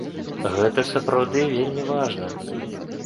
Гэта сапраўды вельмі важна.